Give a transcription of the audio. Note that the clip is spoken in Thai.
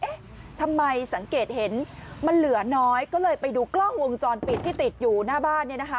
เอ๊ะทำไมสังเกตเห็นมันเหลือน้อยก็เลยไปดูกล้องวงจรปิดที่ติดอยู่หน้าบ้านเนี่ยนะคะ